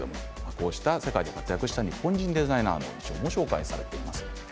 こうした世界で活躍した日本人デザイナーもご紹介しています。